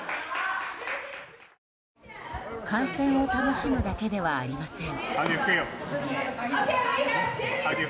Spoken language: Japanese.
観戦を楽しむだけではありません。